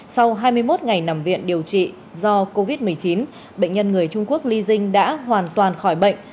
sau hai mươi một ngày nằm viện điều trị do covid một mươi chín bệnh nhân người trung quốc ly dinh đã hoàn toàn khỏi bệnh